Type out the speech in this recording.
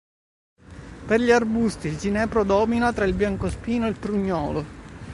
Per gli arbusti, il ginepro domina tra il biancospino ed il prugnolo.